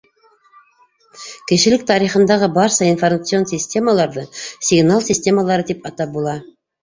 Кешелек тарихындағы барса информацион системаларҙы сигнал системалары тип атап була.